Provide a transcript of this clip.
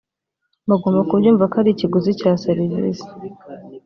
bagomba kubyumva ko ari ikiguzi cya serivisi